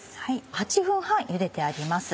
８分半ゆでてあります。